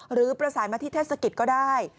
หรือประสานมาที่เทศกิจก็ได้